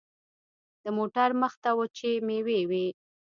د موټر مخته وچې مېوې وې.